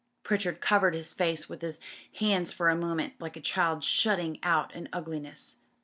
Pritchard covered his face with his hands for a moment, like a child shutting out an ugliness.